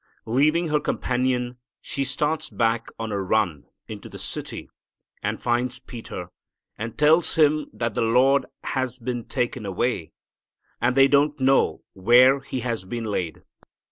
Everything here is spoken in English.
Leaving her companion, she starts back on a run into the city and finds Peter, and tells him that the Lord has been taken away, and they don't know where He has been laid.